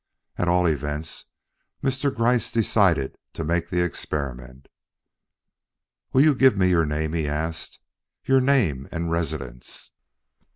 At all events, Mr. Gryce decided to make the experiment. "Will you give me your name?" he asked, " your name and residence?"